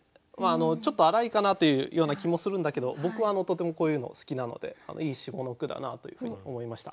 ちょっと粗いかなというような気もするんだけど僕はとてもこういうの好きなのでいい下の句だなというふうに思いました。